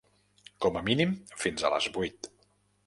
Com a mínim fins a les vuit.